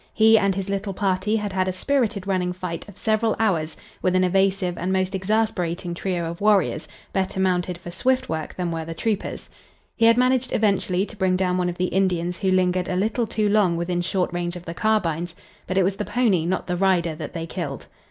He and his little party had had a spirited running fight of several hours with an evasive and most exasperating trio of warriors, better mounted for swift work than were the troopers. He had managed eventually to bring down one of the Indians who lingered a little too long within short range of the carbines, but it was the pony, not the rider, that they killed.